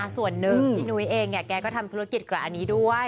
ส่วนหนึ่งพี่นุ้ยเองแกก็ทำธุรกิจกว่าอันนี้ด้วย